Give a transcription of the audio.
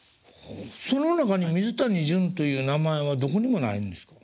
その中に「水谷隼」という名前はどこにもないんですか？